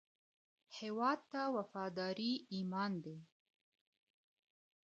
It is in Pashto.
هیواد ته وفاداري ایمان دی